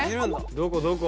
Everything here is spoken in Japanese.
どこどこ？